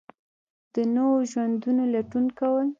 د نویو ژوندونو لټون کول